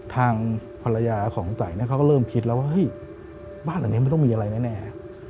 ทางภรรยาของตายเขาก็เริ่มคิดแล้วว่าเฮ้ยบ้านหลังนี้มันต้องมีอะไรแน่